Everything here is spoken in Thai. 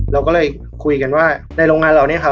เราก็เลยคุยกันว่าในโรงงานเรา